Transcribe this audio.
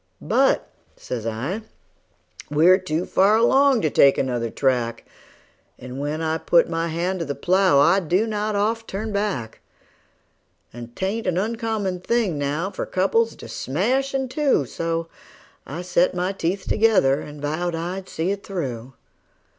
"But," says I, "we're too far along to take another track, And when I put my hand to the plow I do not oft turn back; And 'tain't an uncommon thing now for couples to smash in two;" And so I set my teeth together, and vowed I'd see it through.